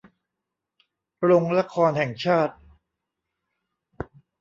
โรงละครแห่งชาติ